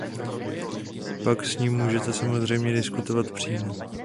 Pak s ním můžete samozřejmě diskutovat přímo.